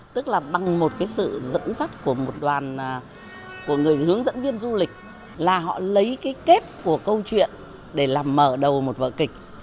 tức là bằng một cái sự dẫn dắt của một đoàn của người hướng dẫn viên du lịch là họ lấy cái kết của câu chuyện để làm mở đầu một vở kịch